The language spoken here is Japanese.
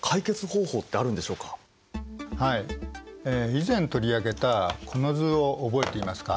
以前取り上げたこの図を覚えていますか？